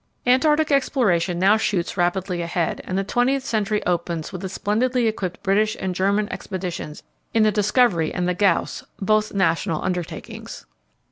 Antarctic exploration now shoots rapidly ahead, and the twentieth century opens with the splendidly equipped British and German expeditions in the Discovery and the Gauss, both national undertakings.